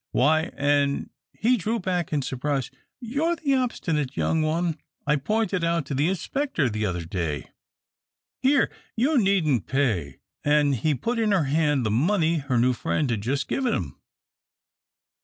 Why " and he drew back in surprise, "you're the obstinate young one I pointed out to the inspector the other day. Here you needn't pay," and he put in her hand the money her new friend had just given him.